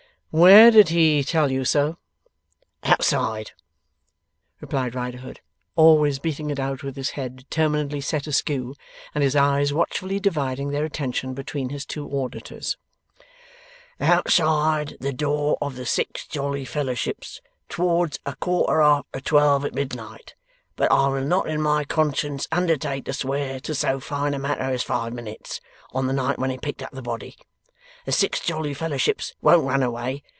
'Where did he tell you so?' 'Outside,' replied Riderhood, always beating it out, with his head determinedly set askew, and his eyes watchfully dividing their attention between his two auditors, 'outside the door of the Six Jolly Fellowships, towards a quarter after twelve o'clock at midnight but I will not in my conscience undertake to swear to so fine a matter as five minutes on the night when he picked up the body. The Six Jolly Fellowships won't run away.